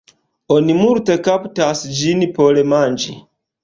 Oni multe kaptas ĝin por manĝi.